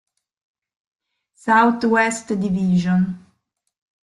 Southwest Division